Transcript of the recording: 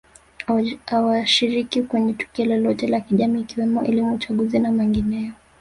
hawashiriki kwenye tukio lolote la kijamii ikiwemo elimu uchaguzi na mengineyo